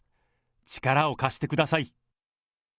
力を貸してください。